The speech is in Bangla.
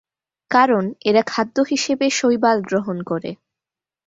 কারণ, এরা খাদ্য হিসেবে শৈবাল গ্রহণ করে।